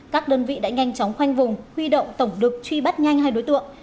các đơn vị đã nhanh chóng khoanh vùng huy động tổng lực truy bắt nhanh hai đối tượng